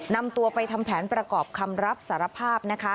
นำตัวไปทำแผนประกอบคำรับสารภาพนะคะ